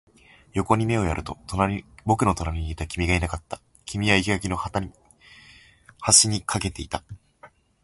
横に目をやると、僕の隣にいた君がいなかった。君は生垣の端に駆けていた。